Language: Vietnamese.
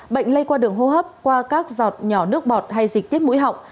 bệnh lây qua đường hô hấp qua các giọt nhỏ nước bọt hay dịch tiết mũi họng